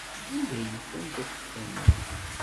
Anda i yufan tafekka-nni?